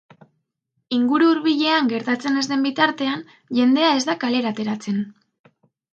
Inguru hurbilean gertatzen ez den bitartean, jendea ez da kalera ateratzen.